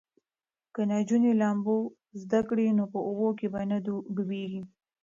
که نجونې لامبو زده کړي نو په اوبو کې به نه ډوبیږي.